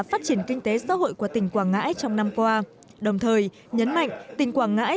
phát triển kinh tế xã hội của tỉnh quảng ngãi trong năm qua đồng thời nhấn mạnh tỉnh quảng ngãi